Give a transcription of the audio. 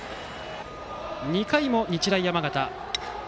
２回も日大山形。